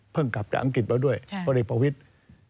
เพิ่งกลับจากอังกฤษแล้วด้วยพลปวิทย์